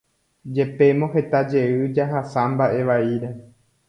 Jepémo heta jey jahasa mba'e vaíre